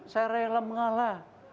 saya rela mengalah